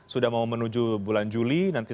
sudah mau menuju bulan juli nanti